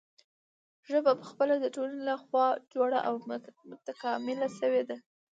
ژبه پخپله د ټولنې له خوا جوړه او متکامله شوې ده.